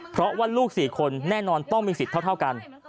เพราะว่าลูก๔คนแน่นอนต้องมีสิทธิ์เท่ากัน